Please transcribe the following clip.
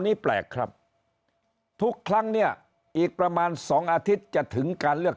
นี้แปลกครับทุกครั้งเนี่ยอีกประมาณ๒อาทิตย์จะถึงการเลือก